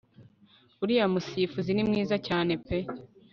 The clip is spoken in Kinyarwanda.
uriya musifuzi ni mwiza cyane peuh